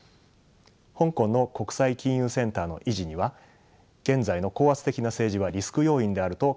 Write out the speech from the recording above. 香港の国際金融センターの維持には現在の高圧的な政治はリスク要因であると考えられます。